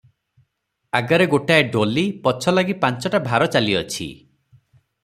ଆଗରେ ଗୋଟାଏ ଡୋଲି, ପଛଲାଗି ପାଞ୍ଚଟା ଭାର ଚାଲିଅଛି ।